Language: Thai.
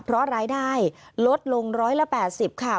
เพราะรายได้ลดลงร้อยละ๘๐ค่ะ